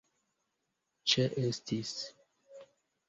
ĉeestis